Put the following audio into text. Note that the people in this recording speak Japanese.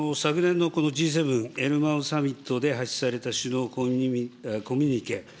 昨年のこのＧ７サミットでされた首脳コミュニケ。